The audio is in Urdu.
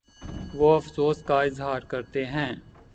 وہ افسوس کا اظہارکرتے ہیں